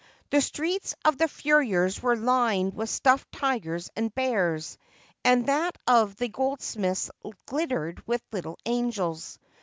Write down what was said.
The street of the furriers was lined with stuffed tigers and bears, and that of the goldsmiths glittered with little angels.